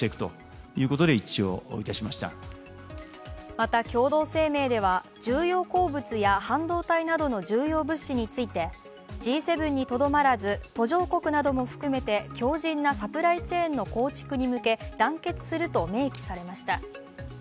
また共同声明では重要鉱物や半導体などの重要物資についてＧ７にとどまらず途上国なども含めて強じんなサプライチェーンの構築に向け、団結すると明記されました。